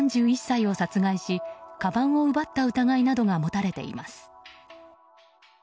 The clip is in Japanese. ３１歳を殺害しかばんを奪った疑いなどが持たれています。